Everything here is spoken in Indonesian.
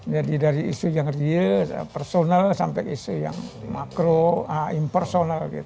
jadi dari isu yang real personal sampai isu yang makro